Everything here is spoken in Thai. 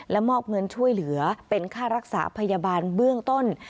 มอบเงินช่วยเหลือเป็นค่ารักษาพยาบาลเบื้องต้น